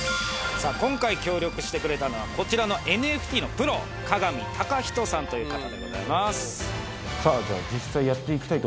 今回協力してくれたのはこちらのＮＦＴのプロ。という方でございます。